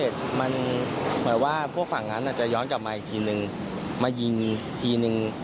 ต่างนั้นจะย้อนกลับมาอีกทีหนึ่งมายิงทีนึง